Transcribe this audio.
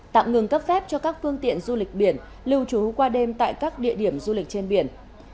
tạm ngừng cấp phép cho các phương tiện du lịch biển lưu trú qua đêm tại các địa điểm du lịch trên biển